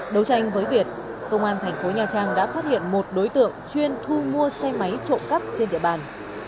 đấu tranh với việt công an thành phố nha trang đã phát hiện một đối tượng chuyên thu mua xe máy trộm cắp trên địa bàn